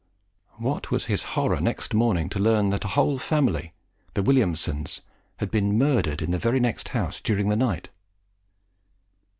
What was his horror next morning to learn that a whole family the Williamsons had been murdered in the very next house during the night!